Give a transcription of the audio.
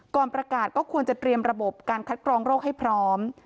ก่อนประกาศก็ควรจะเตรียมระบบการคัดกรองโรคให้พร้อม